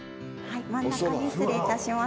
真ん中に失礼いたします。